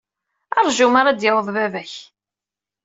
Ṛju mi ara d-yaweḍ baba-k.